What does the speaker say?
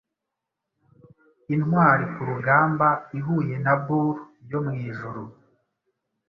Intwari kurugamba ihuye na Bull yo mwijuru